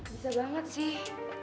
bisa banget sih